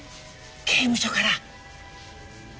刑務所から。